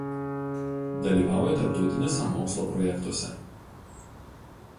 Dalyvauja tarptautiniuose mokslo projektuose.